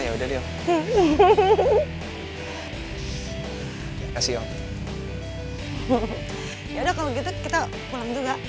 ya udah kalau gitu kita pulang juga